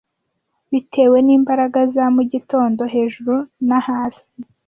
Bitewe n'imbaraga za mugitondo: hejuru na hasi,